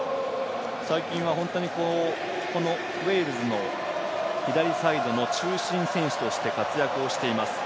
最近は、ウェールズの左サイドの中心選手として活躍しています。